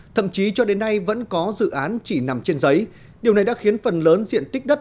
thậm chí cho đến nay vẫn có dự án chỉ nằm trên giấy điều này đã khiến phần lớn diện tích đất